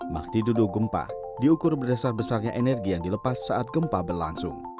magnitudo gempa diukur berdasar besarnya energi yang dilepas saat gempa berlangsung